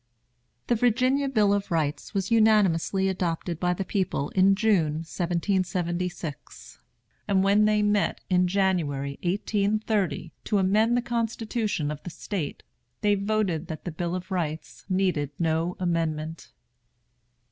The Virginia Bill of Rights was unanimously adopted by the people, in June, 1776; and when they met, in January, 1830, to amend the constitution of the State, they voted that the Bill of Rights needed no amendment.